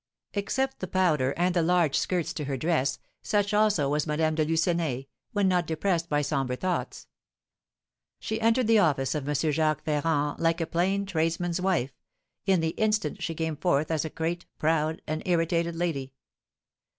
Except the powder and the large skirts to her dress, such also was Madame de Lucenay, when not depressed by sombre thoughts. She entered the office of M. Jacques Ferrand like a plain tradesman's wife; in the instant she came forth as a great, proud, and irritated lady.